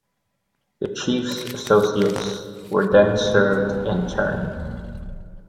The chief's associates were then served in turn.